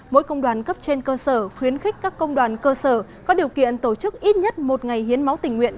mỗi công đoàn cấp trên cơ sở khuyến khích các công đoàn cơ sở có điều kiện tổ chức ít nhất một ngày hiến máu tình nguyện